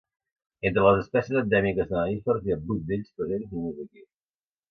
Entre les espècies endèmiques de mamífers hi ha vuit d’ells presents només aquí.